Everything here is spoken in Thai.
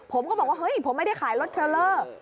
ผมก็บอกว่าเฮ้ยผมไม่ได้ขายรถส่วนสันสลัก